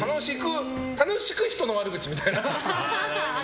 楽しく人の悪口みたいな。